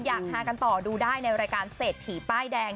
อยากฮากันต่อดูได้ในรายการเสร็จถี่ป้ายแดง